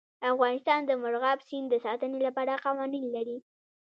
افغانستان د مورغاب سیند د ساتنې لپاره قوانین لري.